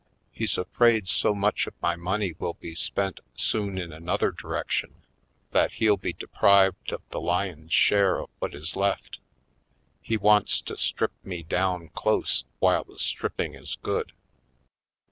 "He's afraid so much of my money will be spent soon in another direction that he'll be deprived of the lion's share of what is left. He wants to strip me down close while the stripping is good."